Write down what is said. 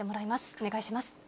お願いします。